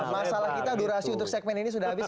masalah kita durasi untuk segmen ini sudah habis